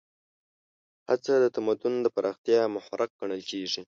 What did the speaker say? هڅه د تمدن د پراختیا محرک ګڼل کېږي.